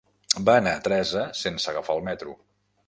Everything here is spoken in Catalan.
Va anar a Teresa sense agafar el metro.